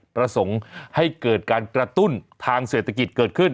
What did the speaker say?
ประสงค์ให้เกิดการกระตุ้นทางเศรษฐกิจเกิดขึ้น